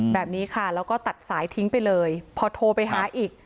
แบบนี้ค่ะแล้วก็ตัดสายทิ้งไปเลยพอโทรไปหาอีก